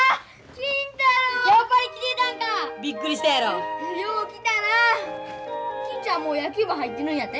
金ちゃんも野球部入ってるんやて？